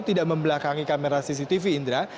tidak membelakangi kamera cctv indra